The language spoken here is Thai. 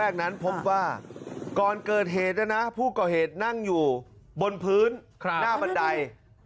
นั้นพบว่าก่อนเกิดเหตุนะนะผู้ก่อเหตุนั่งอยู่บนพื้นหน้าบันได